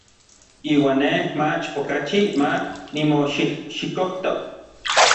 Iuan nej mach okachi ma nimoxijxikojto.